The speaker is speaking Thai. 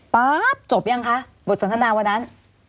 ป๊าบจบยังคะบทสนทนาวันนั้น